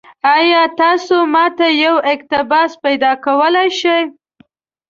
ایا تاسو ما ته یو اقتباس پیدا کولی شئ؟